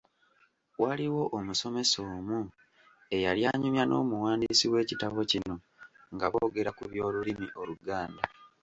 Waliwo omusomesa omu eyali anyumya n’omuwandiisi w’ekitabo kino nga boogera ku by’Olulimi Oluganda